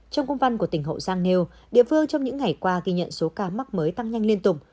trong công văn của tỉnh hậu giang nêu địa phương trong những ngày qua ghi nhận số ca mắc mới tăng nhanh liên tục